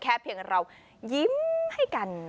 เพียงเรายิ้มให้กัน